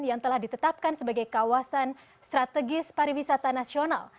yang telah ditetapkan sebagai kawasan strategis pariwisata nasional